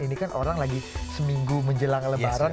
ini kan orang lagi seminggu menjelang lebaran